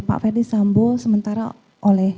pak ferdis sambo sementara oleh